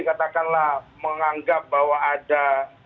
katakanlah menganggap bahwa ada